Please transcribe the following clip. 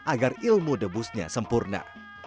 agar ilmu debusnya sempurna